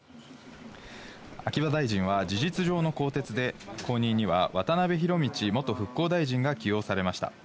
秋葉大臣は、事実上の更迭で、後任には渡辺博道元復興大臣が起用されました。